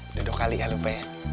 udah dua kali kali lupa ya